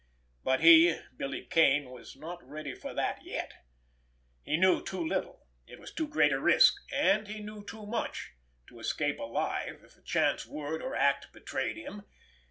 But he, Billy Kane, was not ready for that yet. He knew too little, it was too great a risk; and he knew too much—to escape alive, if a chance word or act betrayed him.